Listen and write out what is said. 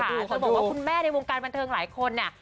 จะบอกว่าคุณแม่ในวงการบันเทิงหลายคนเนี่ย